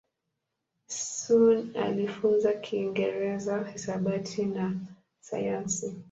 Sun alijifunza Kiingereza, hisabati na sayansi.